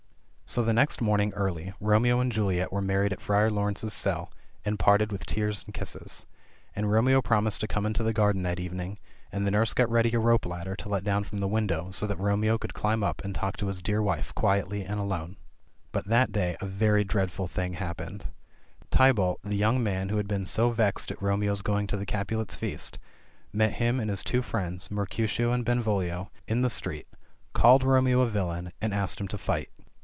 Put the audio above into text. So the next morning early, Romeo and Juliet were married at Friar Laurence's cell, and parted with tears and kisses. And Romeo promised to come into Ae garden that evening, and the nurse got ready a rope ladder to let down from the window, so that Romeo could climb up and talk to his dear wife quietly and alone. 9 Children's Shakespeare 10 THE CHILDREN'S SHAKESPEARE. But that very day a dreadful thing happened. Tybalt, the young man who had been so vexed at Romeo's going to the Capulet's feast, met him and his two friends, Mercutio and Benvolio, in the street, called Romeo a villain, and asked him to fight.